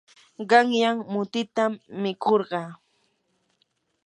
qanyan mutitam mikurqaa.